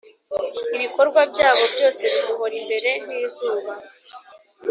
Ibikorwa byabo byose bimuhora imbere nk’izuba,